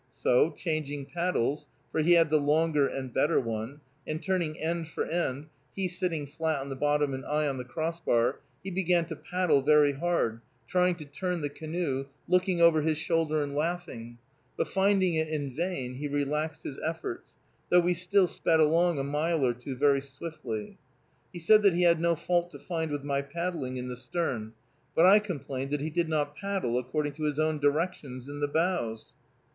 So, changing paddles, for he had the longer and better one, and turning end for end, he sitting flat on the bottom and I on the crossbar, he began to paddle very hard, trying to turn the canoe, looking over his shoulder and laughing; but finding it in vain, he relaxed his efforts, though we still sped along a mile or two very swiftly. He said that he had no fault to find with my paddling in the stern, but I complained that he did not paddle according to his own directions in the bows.